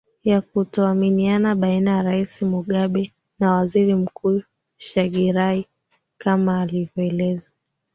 ya kutoaminiana baina rais mugabe na waziri mkuu shangirai kama anavyoeleza